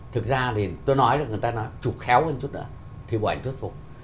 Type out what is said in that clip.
thực ra thì tôi nói là người ta nói chụp khéo hơn chút nữa thì bộ ảnh thuyết phục